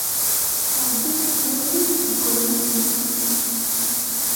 Ttɛeddint tthuzzunt deg ammas-nent.